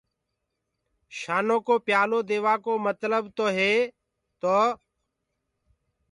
شآنو ڪو پيآلو ديوآ ڪو متلب تو هي تو،